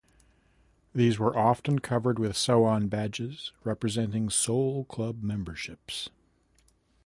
These were often covered with sew-on badges representing soul club memberships.